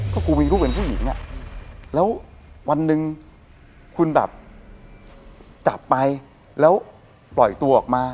ก็กูมีลูกเป็นผู้หญิงอ่ะแล้ววันหนึ่งคุณแบบจับไปแล้วปล่อยตัวออกมา